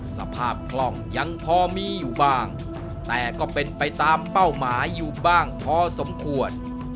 คล่องยังพอมีอยู่บ้างแต่ก็เป็นไปตามเป้าหมายอยู่บ้างพอสมควร